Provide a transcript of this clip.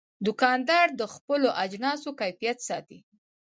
دوکاندار د خپلو اجناسو کیفیت ساتي.